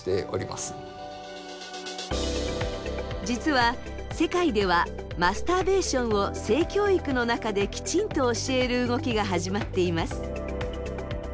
実は世界ではマスターベーションを性教育の中できちんと教える動きが始まっています。